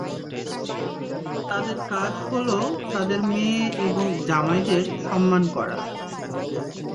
তাদের কাজ হল তাদের মেয়ে এবং জামাইদের সম্মান করা।